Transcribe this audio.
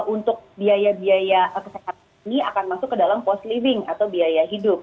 untuk biaya biaya kesehatan ini akan masuk ke dalam post living atau biaya hidup